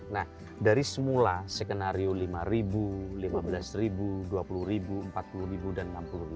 nah dari semula skenario lima lima belas dua puluh empat puluh dan enam puluh